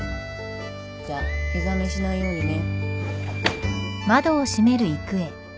じゃ湯冷めしないようにね。